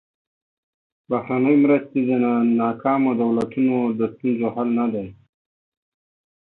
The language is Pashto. بهرنۍ مرستې د ناکامو دولتونو د ستونزو حل نه دي.